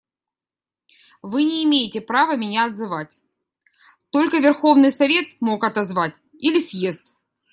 Вы не имеете права меня отзывать, только Верховный Совет мог отозвать, или съезд.